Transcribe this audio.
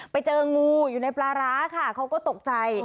ไปเจองูอยู่ในปลาร้าค่ะเขาก็ตกใจ